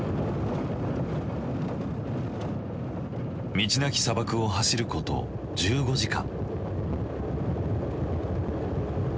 道なき砂漠を走ること１５時間。